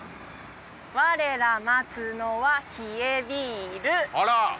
我ら待つのは冷えビールあら！